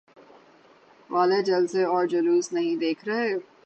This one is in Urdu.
والے جلسے اور جلوس نہیں دیکھ رہے؟